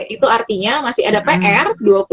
itu artinya masih ada pr